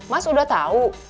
mas udah tau